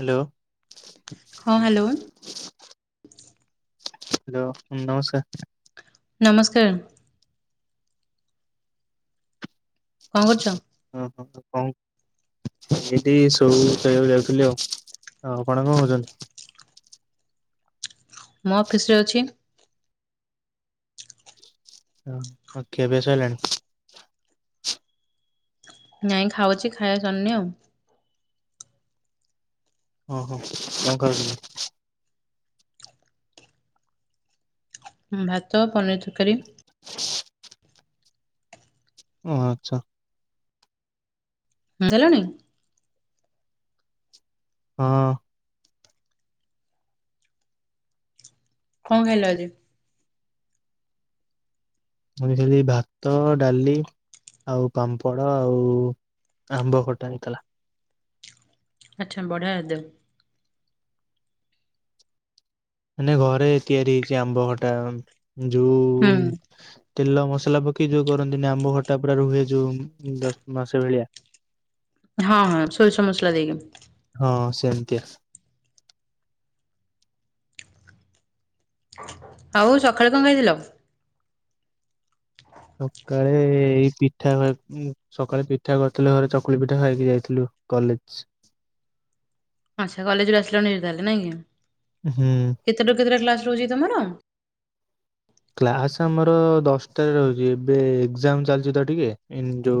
Hello. ହଁ hello. Hello ନମସ୍କାର। ନମସ୍କାର। କଣ କରୁଛ? କଁ। ଏଇଠି ଶୋଇକୁ ଯାଉଥିଲି ଆଉ। ଆପଣ କଣ କହୁଛନ୍ତି? ମୋ ଅଫିସ ରେ ଅଛି। ଓ ଖିଆପିଆ ସଇଲାଣି। ନାଇଁ ଖାଉଛି ଖାଇବା ସନେ ଆଉ। ହ ହୋ କଣ କରନ୍ତି? ଭାତ ପନିର ତରକାରୀ। [inaudible] ଓ ଆଚ୍ଛା। ସାରିଲଣି। ହଁ। କଣ ଖାଇଲ ଆଜି? ମୁଣିି ଭାତ ଡାଲି। ଆଉ ପାମ୍ପଡ ଆଉ ଆମ୍ବ ଖଟା ହେଇଥିଲା। ଆଚ୍ଛା ବଢିଆ ହେଇଥିଲା। ମାନେ ଘରେ ତିଆରି ହେଇଛି ଆମ୍ବ ଖଟା ଯୋଉ ହୁଁ। ତେଲ ମସଲା ପକେଇ ଯୋଉ କରନ୍ତିନି ଆମ୍ବ ଖଟା ପୁରା ରୁହେ ଯୋଉ ଦଶ ମାସ ଭଳିଆ! ହଁ ସୋରିଷ ମସଲା ଦେଇକି ବେସ୍ ଆଉ ସକାଳେ କଣ ଖାଇଥିଲ? ସକାଳେ ଏଇ ପିଠା ସକାଳେ ପିଠା କରିଥିଲ ଘରେ ଚକୁଳି ପିଠା ଖାଇକି ଯାଇଥିଲି କଲେଜ୍। ଆଚ୍ଛା କଲେଜରେ ଆସିଲା ନି ତାଲେ ନାଇଁ ହୁଁ କେତେଟାରୁ କେତେଟା କ୍ଲାସ୍ ରୋଜି ତମର କ୍ଲାସ୍ ଆମର ଦଶଟାରେ ରହୁଛି ଏବେ ଏକ୍ ଯାମ୍ ଚାଲିଛି ତ ଟିକେ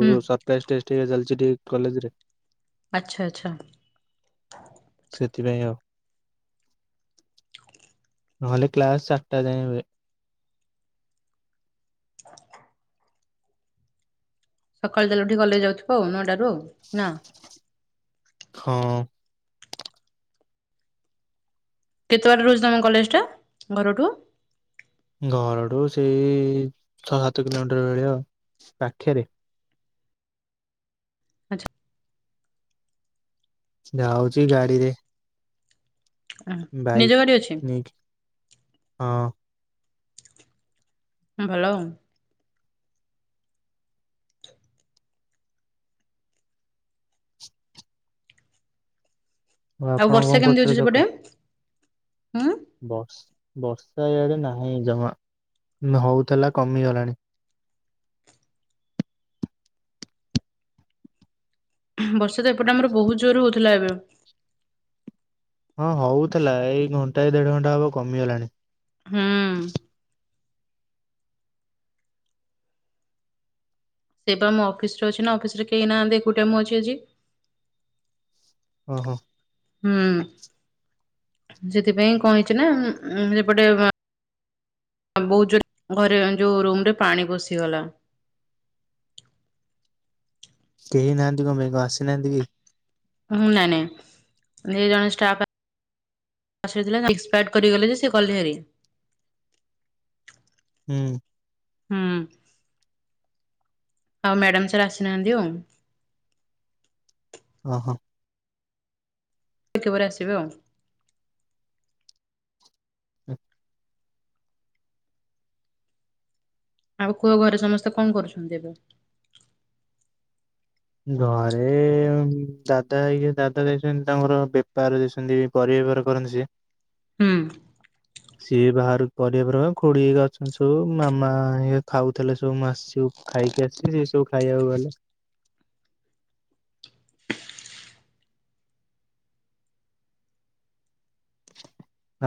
ହୁଁ ସତେଟେଷ୍ଟଇଚ ଚାଲିଛି ଟିକିଏ କଲେଜରେ ଆଚ୍ଛା ଆଚ୍ଛା ସେଥିପାଇଁ ଆଉ ନହେଲେ କ୍ଲାସ୍ ଚାରିଟା ଯାଏ ହୁଏ। [inaudible] ସକାଳୁ ତାହାଲେ ଉଠିକି କଲେଜ ଯାଉଥିବ ଆଉ ନଅଟାରୁ ନା? ହଁ। କେତେ ବାର ରହୁଛି ତମ କଲେଜ ଟା ଘରଠୁ? ଘରଠୁ ସେଇ ଛଅ ସାତ କିଲୋମିଟର ବେଳିଆ ପାଖିରେ ଆଚ୍ଛା। ଯାଉଛି ଗାଡିରେ ଆ ବାଇକ ନିଜ ଗାଡି ଅଛି। ନେଇକି ହଁ। ଭଲ ଆଉ ଆପଣ କଣ ବର୍ଷା କେମିତି ଅଛି ସେପଟେ ହୁଁ ବର୍ଷ ବର୍ଷା ଇଆଡେ ନାହିଁ ଜମା ହଉଥିଲା କମିଗଲାଣି। ବର୍ଷା ତ ଏପଟେ ଆମର ବହୁତ ଜୋର ହଉଥିଲା ଏବେ ହଁ ହଉଥିଲା ଏଇ ଘଣ୍ଟା ଏ ଦେଢ ଘଣ୍ଟା ହବ କମିଗଲାଣି। ହଁ। ସେ ବା ମୋ ଅଫିସ ରେ ଅଛି ନା ଅଫିସ ରେ କେହି ନାହାନ୍ତି ଏକୁଟିଆ ମୁଁ ଅଛି ଆଜି! ଓ ହୋ। ହୁଁ ସେଥିପାଇଁ କଣ ହେଇଛି ନା ସେପଟେ ବହୁତ ଜୋରେ, ଘରେ ଯଉ ରୁମ୍ ରେ ପାଣି ପସିଗଲା! [unintelligible] କେହି ନାହାନ୍ତି କମାଇ କି ଆସିନାହାନ୍ତି କି? ହୁଁ ନାଇଁ ନାଇଁ ଦି ଜଣେ ଷ୍ଟାଫ୍ ଏକ୍ସପାୟାର୍ଡ କରିଗଲେ ଯେ ସେ କଲହରୀ [unintelligible] ହୁଁ। ହୁଁ। ଆଉ ମ୍ୟାଡାମ ସାର୍ ଆସିନାହାନ୍ତି ଆଉ। ଓ ହୋ। କିପ ପରେ ଆସିବେ ଆଉ। [inaudible] ଆଉ ପୁଅ ଘରେ ସମସ୍ତେ କଣ କରୁଛନ୍ତି ଏବେ? ଘରେ ଦାଦା ହେଇକ ଦାଦା ଦେଇଛନ୍ତି, ତାଙ୍କର ବେପାର ଦେଇଛନ୍ତି ପରିବା ବେପାର କରନ୍ତି ସିଏ। ହୁଁ। [unintelligible] ସିଏ ବାହାର କରିବାପ ହେବ ଖୁଡିର ଅଛୁ ମାମା ଇଏ ଖାଉଥିଲେ ସବୁ ମୁଁ ଆସଛୁ। ଖାଇକି ଆସିଛି ସେ ସବୁ ଖାଇବାକୁ ଗଲେ।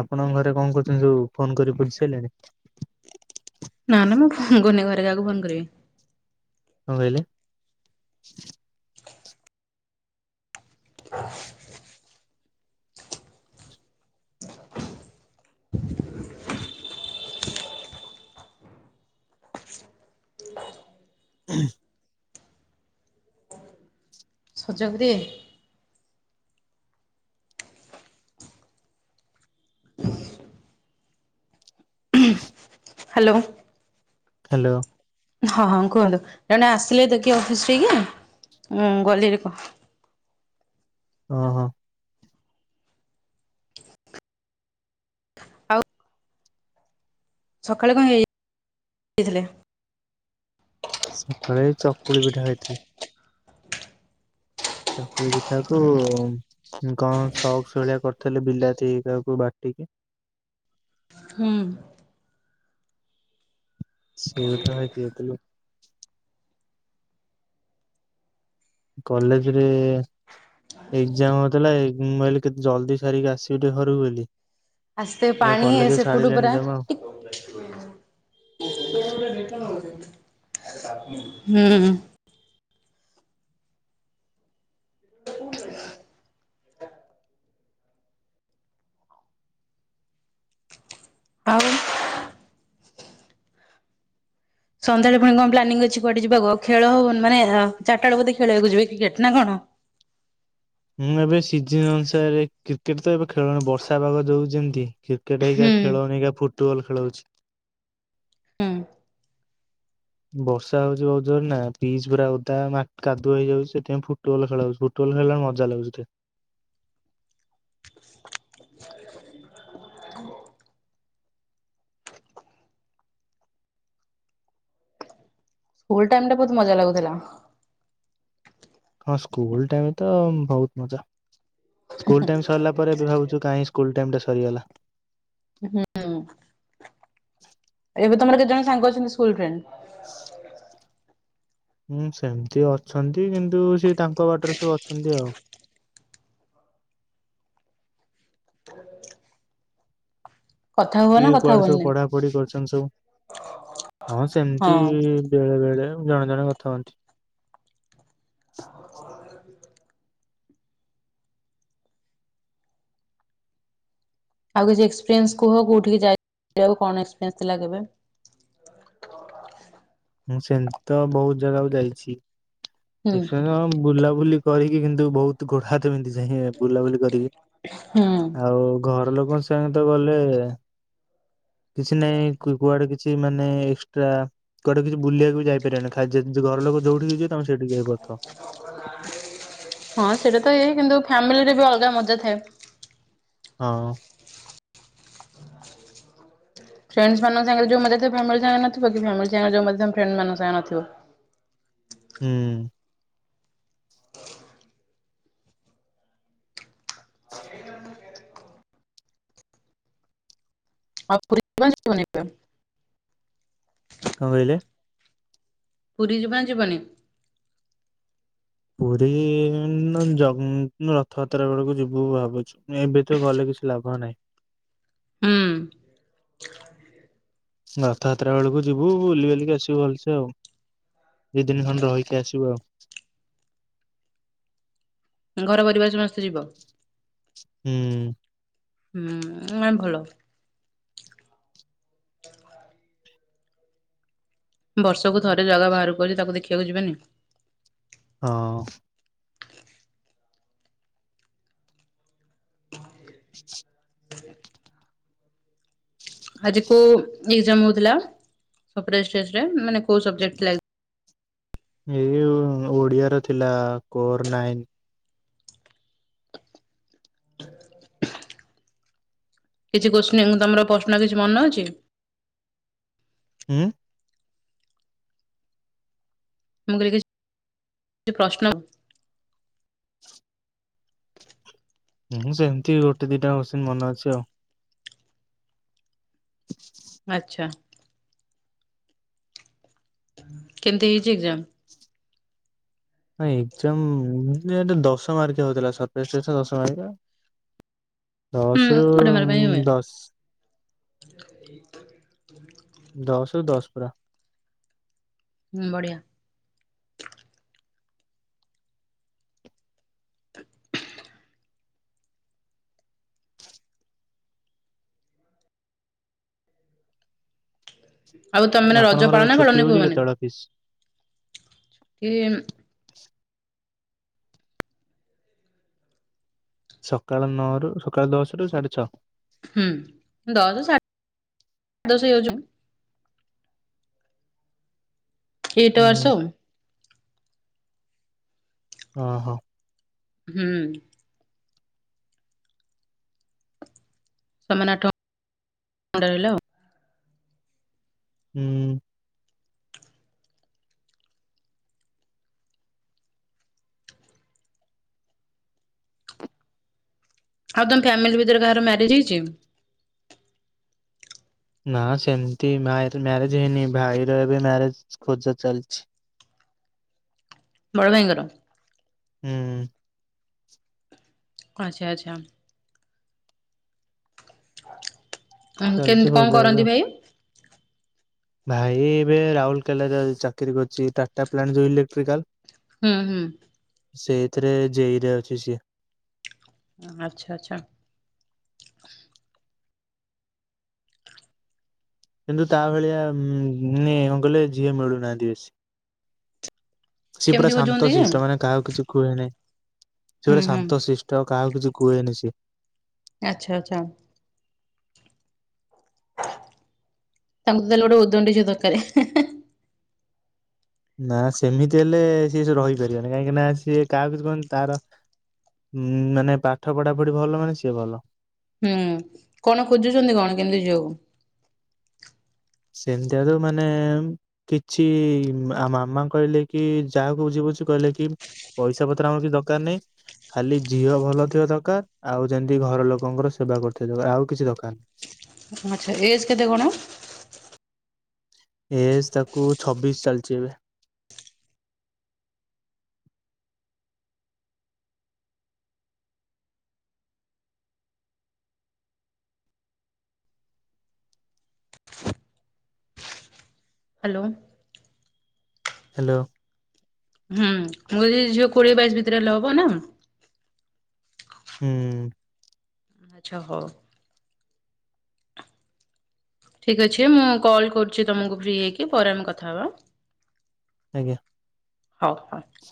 ଆପଣଙ୍କ ଘରେ କଣ କରୁଛନ୍ତି ସବୁ ଫୋନ କରି ବୁଝି ସାରି ଲେଣି। ନା ନା ମୁଁ ଫୋନ କରିନି ଘର କାହାକୁ ଘରେ କାହାକୁ ଫୋନ କରିବି। କଣ କହିଲେ? ହ। ସ ଚକ୍ଷୁରେ। ହାଲୋ। ହାଲୋ। ହଁ ହଁ କୁହନ୍ତୁ ଜଣେ ଆସିଲେ ଦେଖି ଅଫିସଟି କି? ମୁଁ ଗଲି ରିକୁ। ଓ ହଁ। ଆଉ। ସକାଳେ କଣ ହେଇଥିଲେ? ସକାଳେ ଚକୁଳି ପିଠା ଖାଇଥିଲି। ଚକୁଳି ପିଠାକୁ କଣ ସଉ ଶଳିଆ କରିଥିଲେ ବିଲାତିଇ କୁ ବାଟି ଠିକ୍। ହୁଁ। ସେଉଟା ଏ ଖିଆ ଥିଲୁ। କଲେଜରେ ଏକ୍ଜାମ ଥାଏ। ମୁଁ କହିଲି କେତେ ଜଲଦି ସାରିକି ଆସିବି ଟେ ଘରକୁ ବୋଲି। ଆସ୍ତେ ଏ ପାଣି ହେ କଲେଜ ସେ ପଟୁ ଛାଡିଲେଣି ପରା ଜମା ଆଉ ଟିକ୍ ହୁଁ। ଆଉ। ସନ୍ଧ୍ୟା ବେଳେ ପୁଣି କଣ ପ୍ଲାନିଂ ଅଛି କୁଆଡେ ଯିବାକୁଆଉ ଖେଳ ହବ ମାନେ ଚାରିଟ ବେଲକୁ ଦେଖି ଖେଳିବାକୁ ଯିବି କ୍ରିକେଟ ନା କଣ? ମୁଁ ଏବେ ସିଜିନ ଅନୁସାରେ କ୍ରିକେଟ ତ ଏବେ ଖେଳୁନି ବର୍ଷା ପାଗ ଦୋଉଛି ଯେମିତି କ୍ରିକେଟ ହୁଁ ହେଇାକା ଖେଳ ହଉନି କା ଫୁଟବଲ ଖେଳ ହଉଛି। ହଁ। ହ ବର୍ଷା ହଉଛି ବହୁତ ଜୋର ନା ପିଚ ପୁରା ଓଦା ମା କାଦୁଆ ହେଇଯାଉଛି ସେଥିପାଇଁ ଫୁଟବଲ ଖେଳ ହାଉଛି ଫୁଟବଲରେ ଖେଳ ମ [unintelligible] ସ୍କୁଲ ଟାଇମ ରେ ବହୁତ ମଜା ଲାଗୁଥିଲା। ହଁ ସ୍କୁଲ ଟାଇମ ତ ବହୁତ ମଜା ସ୍କୁଲ ଟାଇମ ସରିଲା ପରେ ଏ ଭାବୁଛୁ କାହିଁ ସ୍କୁଲ ଟାଇମ ଟା ସରିଗଲା। ହୁଁ। ଏବେ ତମର କେତ ଜଣ ସାଙ୍ଗ ଅଛନ୍ତି ସ୍କୁଲ ଫ୍ରେଣ୍ଡ? ହୁଁ ସେମିତି ଅଛନ୍ତି କିନ୍ତୁ ସେ ତାଙ୍କ ବାଟରେ ସବୁ ଅଛନ୍ତି ଆଉ। କଥା ହୁଅ ନା ଇଏ କଥା କୁଆଡେ ସବୁ ହୁଅନି ପଢାପଢି କରୁଛନ୍ତି ସବୁ। ହଁ ସେମିତି ବେଳେ ବେଳେ ଜଣେ ଜଣେ କଥା ହୁଅନ୍ତି। ହ। ଆଉ କିଛି ଏକ୍ସପିରିଏନ୍ସ କୁହ କୋଉଠିକି ଯାଇଥିଲ କଣ ଏକ୍ସପିରିଏନ୍ସ ଥିଲା କେବେ? ସେମିତି ତ ବହୁତ ଜାଗାକୁ ହୁଁ ଯାଇଛି। ବୁଲି କରିକି କିନ୍ତୁ ବହୁତ ଗୋଡ଼ା ହା ତ ବୁଲାବୁଲି କରିକି ହୁଁ ଆଉ ଘର ଲୋକ ଏବଂ ସାଙ୍ଗ ତ ଗଲେ କିଛି ନାଇଁ କୁଆଡେ କିଛି କିଛି ମାନେ ଏକ୍ସଟ୍ରା କୋଟେ କିଛି ବୁଲିବାକୁ ବି ଯାଇପାରିବନି ଘର ଲୋକ ଯୋଉଠି ଯିବ ତ ସେଠିଯାଇ କରୁଛି [inaudible] ହଁ ସେଇଟା ତ ଇଏ କିନ୍ତୁ ଫାମିଲି ସେଥିରେ ବି ଅଲଗା ମଜା ଥାଏ। ହଁ। ପ୍ରେଣ୍ଡେସ ମାନଙ୍କସାଙ୍ଗରେ ଯୋଉ ମଜାଥିବ ଫାମିଲି ସାଙ୍ଗରେ ନଥିବ କିନ୍ତୁ ଫାମିଲି ସାଙ୍ଗରେ ଯୋଉ ମଜାଥିବ ପ୍ରେଣ୍ଡେସ ମାନଙ୍କ ନଥିବ। ହୁଁ। ଆ ପ [unintelligible] କଣ କହିଲେ? ପୁରୀ ଯିବ ଯିବନି? ପୁରୀ ହିଁ ଜଗ ରଥଯାତ୍ରା ବେଳକୁ ଯିବୁ ଭାବୁଛୁ ଏବେ ତ ଗଲେ କିଛି ଲାଭ ନାହିଁ। ହୁଁ। ରଥଯାତ୍ରା ବେଳକୁ ଯିବୁ ବୁଲି ବାଲିକି ଆସିବୁ ଭଲସେ ଆଉ। ଦି ଦିନି ଖଣ୍ଡେ ରହିକି ଆସିବୁ ଆଉ। ଘର ପରିବାର ସମସ୍ତେ ଯିବ। ହୁଁ। ହୁଁ ନାହଁ ଭଲ। ବର୍ଷକୁ ଥରେ ଜଗା ବାହାରକୁଆହିଛି ତାକୁ ଦେଖିବାକୁ ଯିବେନି ହଁ। [inaudible] ଆଜି [unintelligible] ଏଇ ଓଡିଆରେ ଥିଲା କୋରନାଇନ୍ କିଛି କୋଚିନି ତମର ପ୍ରଶ୍ନ କିଛି ମନେ ଅଛି? ହୁଁ। ମୁଁ କହିଲି କି ପ୍ରଶ୍ନ ହୁଁ ସେମିତି ଗୋଟେ ଦିଟା ସିନ ମନେ ଅଛି ଆଉ। [inaudible] ଆଚ୍ଛା। କେମତି ହେଇଛି ଏଜାମ୍? ନାହିଁ ଏଜାମ୍ ଦଶ ମାରି ହଉଥିଲା ସତେଶୀଟା ଦଶମାରିକା ହୁଁ ଦଶରୁ ଗୋଟେ ମାର୍କ ପାଇଁ ହୁଁ ହୁଏ ଦଶ ଦଶରୁ ଦଶପୁରା। ହୁଁ ବଢିଆ। [inaudible] ଆଉ ତମେମାନେ ରଜ ଆପଣଙ୍କର ପାଳନ ଛୁଟି ପାଳନି ହଉଛି କୋଉମାନେ? କେତେବେଳେ ଅଫିସ? କିମି। ସକାଳ ନଅରୁ ସକାଳୁ ଦଶରୁ ସାଢେଛଅ। ହୁଁ ଦଶ ସାଢେଦଶ ହେଇଯାଉଛି। ଏତ ହୁଁ ଆସବ। ହ ହୋ। ହୁଁ। ତମନାଟ ରହିଲ ଆଉ। ହୁଁ। ଆଉ ତମ ଫ୍ୟାମିଲି ଭିତରେ କାହାର ମ୍ୟାରେଜ ହେଇଛି? ନା ସେମିତି ଭାଇ ମ୍ୟାରେଜ ହେଇନି, ଭାଇର ଏବେ ମ୍ୟାରେଜ ଖୋଜା ଚାଲିଛି। ବଡ ଭାଇଙ୍କର? ହୁଁ। ଆଚ୍ଛା ଆଚ୍ଛା [inaudible] ଚାଲିଛି କଣ୍ଟେଣ୍ଟ କଣ ଖୋଜା ଏବେ ଆଉ। କରନ୍ତି ଭାଇ? ଭାଇ ଏବେ ରାଉରକେଲାରେ ଚାକିରି କରୁଛି ଟାଟାପ୍ଲାଣ୍ଟ ଯୋଉ ଇଲେକ୍ଟ୍ରିକାଲ ହୁଁ ହୁଁ। ସେଇଥିରେ ଜେଇରେ ଅଛି ସିଏ। ଆଚ୍ଛା ଆଚ୍ଛା। କିନ୍ତୁ ତା ଭଳିଆ ଉଁ ମାନେ କଣ କଲେ ଝିଅ ମିଳୁନାହାନ୍ତି ବେଶୀ। ସିଏ କେମିତି ପୁରା ବୁଝନ୍ତି କି ଶାନ୍ତଶିଷ୍ଟ ମାନେ ହୁଁ କାହାକୁ କିଛି କୁହେନି। ସେ ଗୋଟେ ହୁଁ ଶାନ୍ତ ଶିଷ୍ଟ କାହାକୁ କିଛି କୁହେନି ସିଏ। ଆଛା ଆଛା। ତାଙ୍କୁ ତାହେଲେ ଗୋଟେ ଉଦଣ୍ଡି ଝିଅ ଦରକାରେ ହେ ହେ। ନା ସେମିତି ହେଲେ ସିଏ ସେଠି ରହିପାରିବନି କାହିଁକି ନା ସିଏ କାହାକୁ କିଛି କୁହେନି ତାର ହୁଁ ମାନେ ପାଠ ପଢାପଢି ଭଲ ମାନେ ସିଏ ଭଲ। ହୁଁ କଣ ଖୋଜୁଛନ୍ତି କଣ କେମିତି ଝିଅକୁ? ସେମିତିଆ ତ ମାନେ କିଛି ଆ ମାମା କହିଲେ କି, ଯାହାକୁ ଯିବୁ ହଉଛି କହିଲେ କି ପଇସାପତ୍ର ଆମର କିଛି ଦରକାର ନାହିଁ। ଖାଲି ଝିଅ ଭଲ ଥିବା ଦରକାର। ଆଉ ଯେମିତି ଘର ଲୋକଙ୍କର ସେବା କରୁଥିବା ଦରକାର। ଆଉ କିଛି ଦରକାର ନାହିଁ। ଆଚ୍ଛା ଏଜ୍ କେତେ କଣ? ଏଜ୍ ତାକୁ ଛବିଶି ଚାଲିଛି ଏବେ। ହ୍ୟାଲୋ। ହ୍ୟାଲୋ। ହୁଁ ମୁଁ ଯଦି ଝିଅ କୋଡିଏ ବାଇଶି ଭିତରେ ହେଲେ ହବ ନା। ହୁଁ। ଆଚ୍ଛା ହଉ। ଠିକ ଅଛି। ମୁଁ କଲ୍ କରୁଛି ତମକୁ ଫ୍ରି ହେଇକି ପରେ ଆମେ କଥା ହେବା। ଆଜ୍ଞା। ହଉ ହଉ।